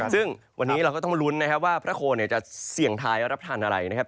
ซึ่งวันนี้เราก็ต้องลุ้นนะครับว่าพระโคนจะเสี่ยงทายรับทานอะไรนะครับ